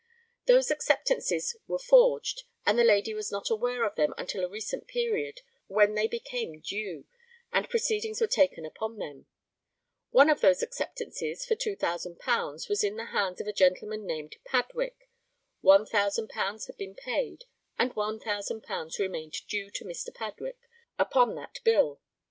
Those acceptances were forged, and the lady was not aware of them until a recent period, when they became due, and proceedings were taken upon them. One of those acceptances, for £2,000, was in the hands of a gentleman named Padwick; £1,000 had been paid, and £1,000 remained due to Mr. Padwick upon that bill.